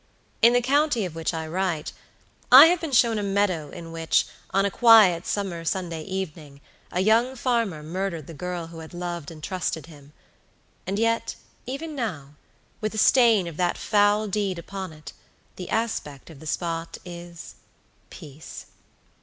In the county of which I write, I have been shown a meadow in which, on a quiet summer Sunday evening, a young farmer murdered the girl who had loved and trusted him; and yet, even now, with the stain of that foul deed upon it, the aspect of the spot ispeace.